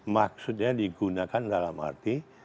maksudnya digunakan dalam arti